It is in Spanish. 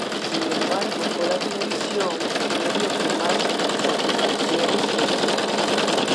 Sin embargo fue la televisión el medio que más satisfacciones le dio.